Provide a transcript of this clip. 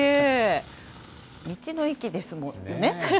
道の駅ですもんね。